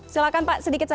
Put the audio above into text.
silakan pak sedikit saja